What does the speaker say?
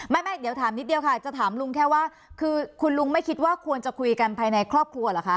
ไม่เดี๋ยวถามนิดเดียวค่ะจะถามลุงแค่ว่าคือคุณลุงไม่คิดว่าควรจะคุยกันภายในครอบครัวเหรอคะ